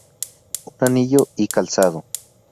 Un anillo y calzado.